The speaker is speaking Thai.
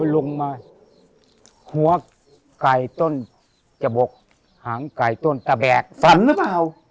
ลงมาหัวกายต้นจบบกหางกายต้นตะแบกฝันรึเปล่า